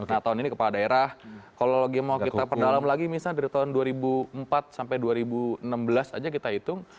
nah tahun ini kepala daerah kalau lagi mau kita perdalam lagi misalnya dari tahun dua ribu empat sampai dua ribu enam belas aja kita hitung